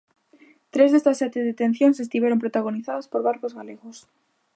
Tres destas sete detencións estiveron protagonizadas por barcos galegos.